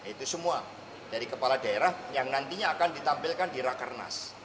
itu semua dari kepala daerah yang nantinya akan ditampilkan di rakernas